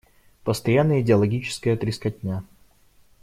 Постоянная идеологическая трескотня.